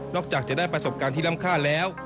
จากจะได้ประสบการณ์ที่ล้ำค่าแล้ว